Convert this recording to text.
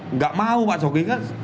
nggak mau pak jokowi kan